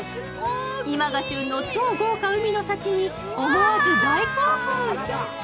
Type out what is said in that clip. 今が旬の超豪華海の幸に思わず大興奮。